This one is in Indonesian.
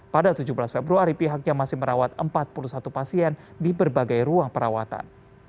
pada tujuh belas februari pihaknya masih merawat empat puluh satu pasien di berbagai ruang perawatan